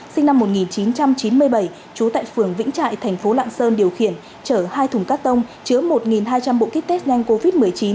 sinh năm một nghìn chín trăm chín mươi bảy trú tại phường vĩnh trại thành phố lạng sơn điều khiển chở hai thùng cắt tông chứa một hai trăm linh bộ kit test nhanh covid một mươi chín